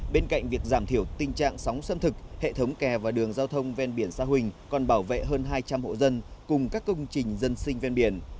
bên cạnh việc giảm thiểu tình trạng sóng xâm thực hệ thống kè và đường giao thông ven biển sa huỳnh còn bảo vệ hơn hai trăm linh hộ dân cùng các công trình dân sinh ven biển